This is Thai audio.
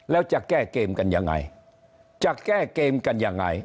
แล้วจะแก้เกมกันยังไงจะแก้เกมกันยังไง